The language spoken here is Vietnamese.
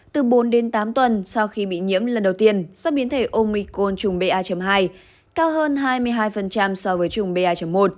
từ bốn đến tám tuần sau khi bị nhiễm lần đầu tiên do biến thể omicron chủng ba hai cao hơn hai mươi hai so với chủng ba một